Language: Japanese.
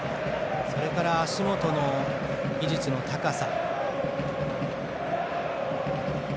それから、足元の技術の高さ。